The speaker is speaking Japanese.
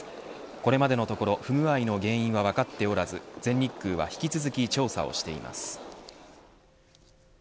これまでのところ不具合の原因は分かっておらず全日空は引き続き調査をしています。